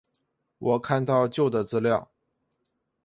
我看到旧的资料